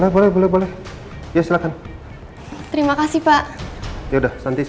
karena mirna cerita sama aku mas